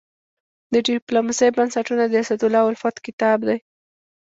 د ډيپلوماسي بنسټونه د اسدالله الفت کتاب دی.